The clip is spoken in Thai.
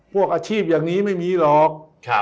อาชีพอย่างนี้ไม่มีหรอก